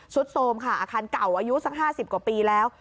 โทรมค่ะอาคารเก่าอายุสัก๕๐กว่าปีแล้ว